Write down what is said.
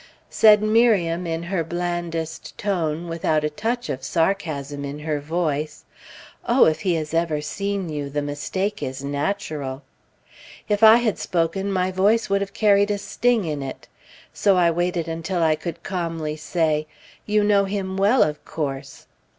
Said Miriam in her blandest tone, without a touch of sarcasm in her voice, "Oh, if he has ever seen you, the mistake is natural!" If I had spoken, my voice would have carried a sting in it. So I waited until I could calmly say, "You know him well, of course."